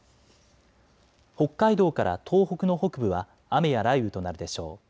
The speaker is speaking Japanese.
北海道から東北の北部は雨や雷雨となるでしょう。